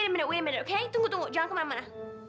tunggu sebentar oke tunggu tunggu jangan kemana mana